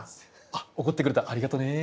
あっ怒ってくれてありがとねえ。